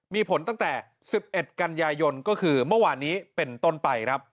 มีผลตั้งแต่๑๑กันยายนก็คือเมื่อวานนี้เป็นต้นไปครับ